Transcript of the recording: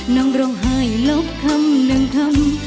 นำรองหายหลบคำหนึ่งคำ